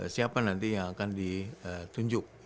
siapa nanti yang akan ditunjuk